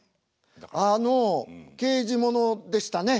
あの刑事物でしたね。